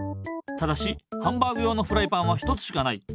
ただしハンバーグ用のフライパンは１つしかない。